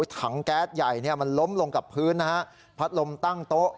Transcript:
ถังแก๊สใหญ่มันล้มลงกับพื้นนะฮะพัดลมตั้งโต๊ะ